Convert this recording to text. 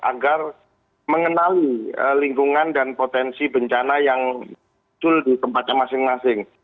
agar mengenali lingkungan dan potensi bencana yang muncul di tempatnya masing masing